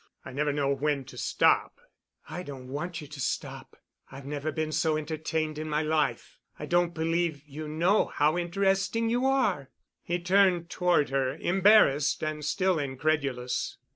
I never know when to stop." "I don't want you to stop. I've never been so entertained in my life. I don't believe you know how interesting you are." He turned toward her, embarrassed and still incredulous.